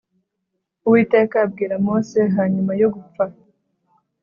Uwiteka abwira Mose hanyuma yo gupfa